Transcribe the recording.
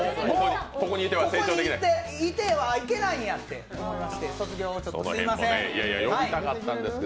ここにいてはいけないんやって思いまして卒業をちょっと、すいません。